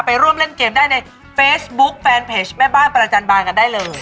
ร่วมเล่นเกมได้ในเฟซบุ๊คแฟนเพจแม่บ้านประจันบานกันได้เลย